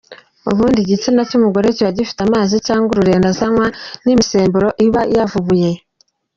Ubusanzwe igitsina cy’umugore kiba gifite amazi cyangwa ururenda, azanywa n’imisemburo iba yavubuye.